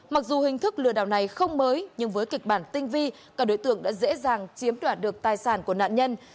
mặc dù hình thức lừa đảo này không mới nhưng với kịch bản tinh vi các đối tượng đã dễ dàng chiếm đoạt được tài sản của nạn nhân